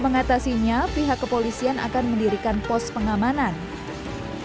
mengatasinya pihak kepolisian akan mendirikan pos pengamanan kekusihan dalam rangka operasi ketubacandi